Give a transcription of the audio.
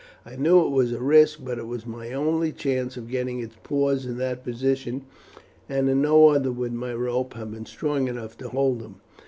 I knew it was a risk, but it was my only chance of getting its paws in that position, and in no other would my ropes have been strong enough to hold them."